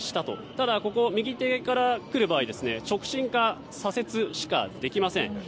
ただ、ここは右手から来る場合直進か左折しかできません。